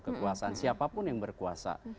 kekuasaan siapapun yang berkuasa